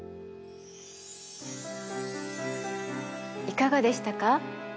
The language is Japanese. いかがでしたか？